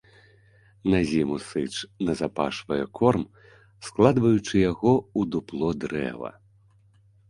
На зіму сыч назапашвае корм, складваючы яго ў дупло дрэва.